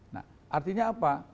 nah artinya apa